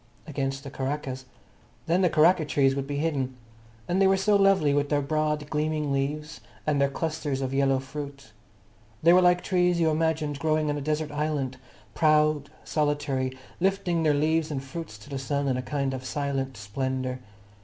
Against the karakas. Then the karaka trees would be hidden. And they were so lovely, with their broad, gleaming leaves, and their clusters of yellow fruit. They were like trees you imagined growing on a desert island, proud, solitary, lifting their leaves and fruits to the sun in a kind of silent splendour.